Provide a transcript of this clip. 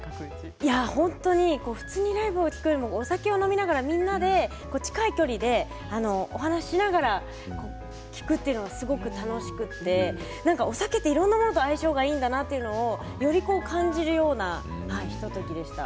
普通にライブを聴くのではなくお酒を飲みながら近い距離でお話をしながら聴くというのがすごく楽しくてお酒はいろいろなものと相性がいいんだなというのをより感じるようなひとときでした。